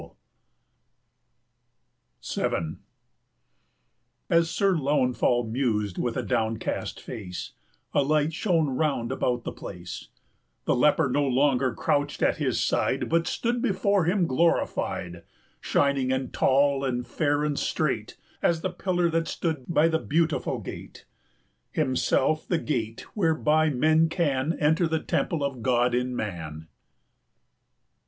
[Illustration: So he Mused, as he sat, of a sunnier clime.] VII. As Sir Launfal mused with a downcast face, A light shone round about the place; The leper no longer crouched at his side, But stood before him glorified, 305 Shining and tall and fair and straight As the pillar that stood by the Beautiful Gate, Himself the Gate whereby men can Enter the temple of God in Man.